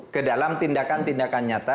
kedalam tindakan tindakan nyata